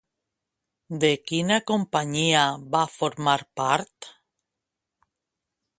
De quina companyia va formar part?